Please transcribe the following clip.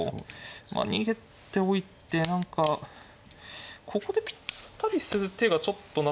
まあ逃げておいて何かここでぴったりする手がちょっとなさそうな。